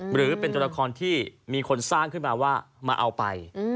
หรือเป็นตัวละครที่มีคนสร้างขึ้นมาว่ามาเอาไป